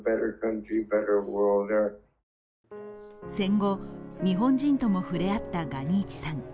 戦後、日本人とも触れ合ったガニーチさん。